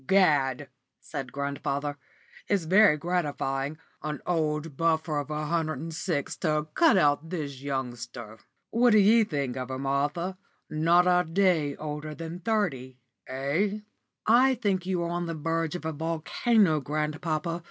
"Gad!" said grandfather, "it's very gratifying an old buffer of a hundred and six to cut out this youngster. What d' ye think of her, Martha? Not a day older than thirty eh?" "I think you are on the verge of a volcano, grandpapa.